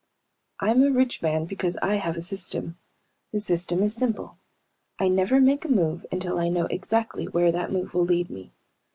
I'm a rich man because I have a system. The system is simple: I never make a move until I know exactly where that move will lead me.